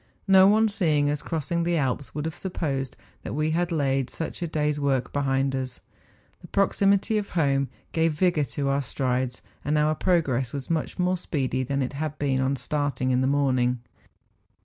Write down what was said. No one seeing us crossing the Alps would have supposed that we had laid such a day's work behind us; the proximity of home gave vigour to our strides, and our progress was much more speedy than it had been on starting in the morning.